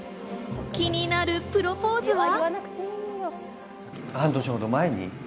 気になるプロポーズは？